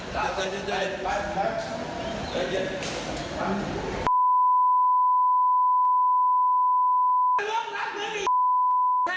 เขามาทางให้จับตัวดัวแล้วไป